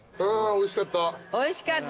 おいしかった。